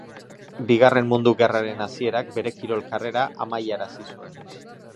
Bigarren Mundu Gerraren hasierak bere kirol karrera amaiarazi zuen.